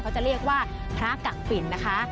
จะเรียกว่าพระกักฝิ่นนะคะ